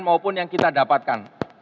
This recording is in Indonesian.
maupun yang kita dapatkan